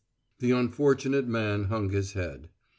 The unfortunate man hung his head.